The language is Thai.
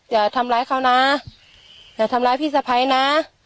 อย่าทำร้ายเขานะอย่าทำร้ายพี่สะพ้ายนะ